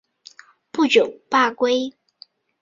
不久罢归。